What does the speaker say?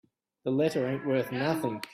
The letter ain't worth nothing.